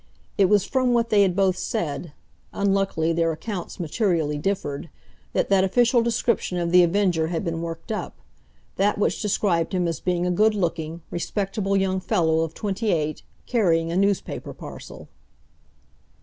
It was from what they had both said—unluckily their accounts materially differed—that that official description of The Avenger had been worked up—that which described him as being a good looking, respectable young fellow of twenty eight, carrying a newspaper parcel.